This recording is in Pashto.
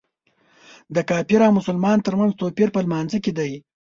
د کافر او مسلمان تر منځ توپیر په لمونځ کې دی.